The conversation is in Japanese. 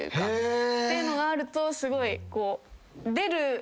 っていうのがあるとすごい。